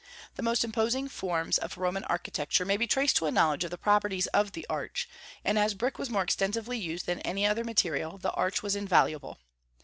The most imposing forms of Roman architecture may be traced to a knowledge of the properties of the arch, and as brick was more extensively used than any other material, the arch was invaluable.